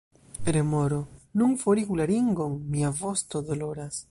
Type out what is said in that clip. Remoro: "Nun forigu la ringon. Mia vosto doloras!"